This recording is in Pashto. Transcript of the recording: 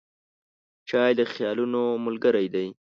چای د خیالونو ملګری دی.